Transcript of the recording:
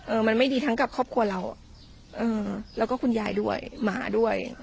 มันไม่ดีทั้งกับครอบครัวเราอ่ะเออแล้วก็คุณยายด้วยหมาด้วย